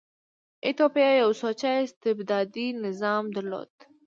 ایتوپیا یو سوچه استبدادي نظام درلود.